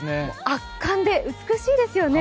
圧巻で美しいですよね。